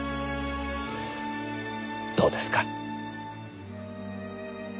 どうですか？